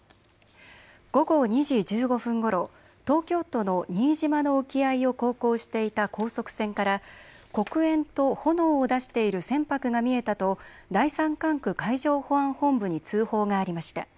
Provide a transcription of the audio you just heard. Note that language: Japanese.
午後２時１５分ごろ、東京都の新島の沖合を航行していた高速船から黒煙と炎を出している船舶が見えたと第３管区海上保安本部に通報がありました。